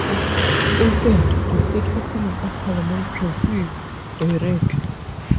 Instead, the State Opening of Parliament proceeds directly.